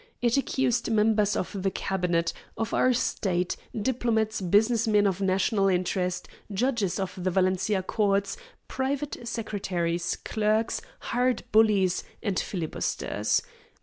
It accused members of the Cabinet, of our Senate, diplomats, business men of national interest, judges of the Valencia courts, private secretaries, clerks, hired bullies, and filibusters.